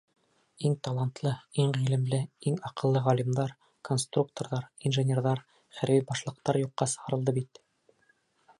Иң талантлы, иң ғилемле, иң аҡыллы ғалимдар, конструкторҙар, инженерҙар, хәрби башлыҡтар юҡҡа сығарылды бит.